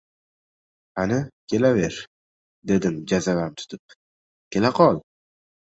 — Qani, kelaver! — dedim jazavam tutib. — Kela qol!